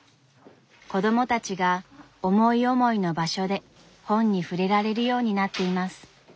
子供たちが思い思いの場所で本に触れられるようになっています。